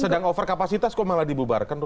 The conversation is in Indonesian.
sedang over kapasitas kok malah dibubarkan rutan itu